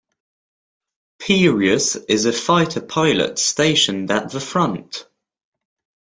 Pirius is a fighter pilot stationed at the front.